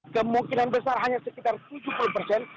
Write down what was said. kemungkinan besar hanya sekitar tujuh puluh persen